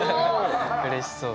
うれしそう。